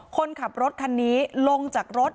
คนขับรถคันนี้ลงจากรถ